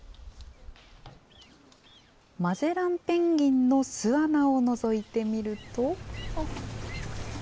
マゼランペンギンの巣穴をのぞいてみると。